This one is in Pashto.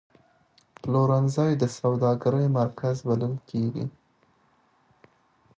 پلورنځی د سوداګرۍ مرکز بلل کېږي.